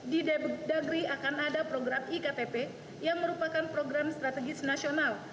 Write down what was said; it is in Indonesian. di dagri akan ada program iktp yang merupakan program strategis nasional